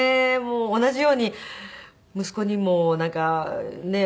同じように息子にもなんかねえ。